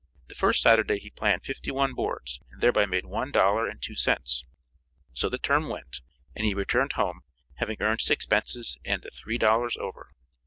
The first Saturday he planed fifty one boards, and thereby made one dollar and two cents. So the term went, and he returned home, having earned his expenses and AND THREE DOLLARS OVER.